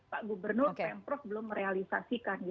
pak gubernur pen prof belum merealisasikan